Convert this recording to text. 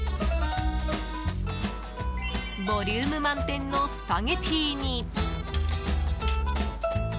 ボリューム満点のスパゲティに。